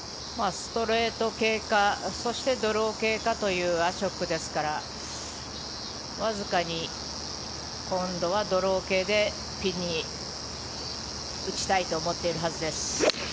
ストレート系かそしてドロー系かというアショクですからわずかに今度はドロー系でピンに打ちたいと思っているはずです。